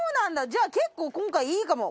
じゃあ結構今回いいかも。